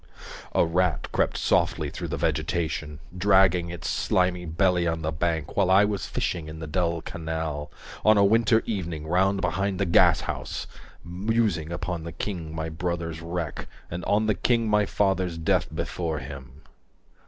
A rat crept softly through the vegetation Dragging its slimy belly on the bank While I was fishing in the dull canal On a winter evening round behind the gashouse. 190 Musing upon the king my brother's wreck And on the king my father's death before him.